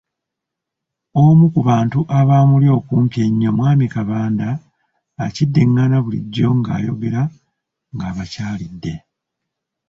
Omu ku bantu abamuli okumpi ennyo, mwami Kabanda akiddiŋŋana bulijjo ng’ayogera ng'abakyalidde